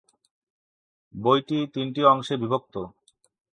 বইটি তিনটি অংশে বিভক্ত।